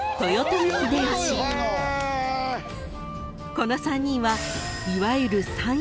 ［この３人はいわゆる］